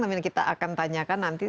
tapi kita akan tanyakan nanti